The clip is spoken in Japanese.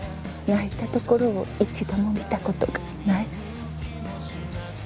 「泣いたところを一度も見たことがない」